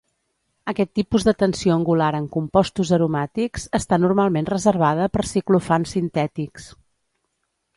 Aquest tipus de tensió angular en compostos aromàtics està normalment reservada per ciclofans sintètics.